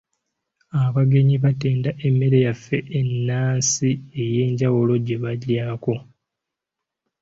Abagenyi baatenda emmere yaffe enansi ey'enjawulo gye baalyako.